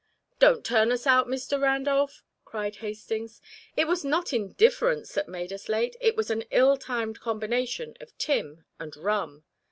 "Don't turn us out, Mr. Randolph," cried Hastings. "It was not indifference that made us late; it was an ill timed combination of Tim and rum.